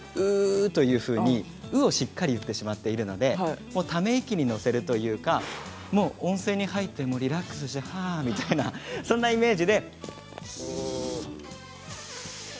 今は、「う」をしっかり言ってしまっているのでため息にのせるというか温泉に入ってリラックスしているイメージで。